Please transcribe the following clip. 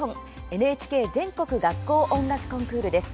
ＮＨＫ全国学校音楽コンクールです。